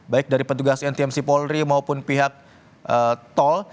baik dari petugas ntmc polri maupun pihak tol